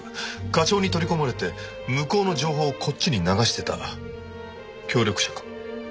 課長に取り込まれて向こうの情報をこっちに流してた協力者かも。